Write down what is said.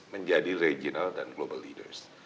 menjadi regional dan global leaders